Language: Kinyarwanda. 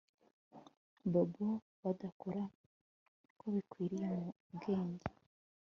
babo badakura uko bikwiriye mu bwenge